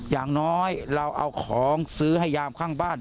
อย่างน้อยเราเอาของซื้อให้ยามข้างบ้าน